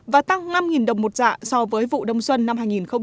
và tăng năm đồng một dạ so với vụ đông xuân năm hai nghìn một mươi chín hai nghìn hai mươi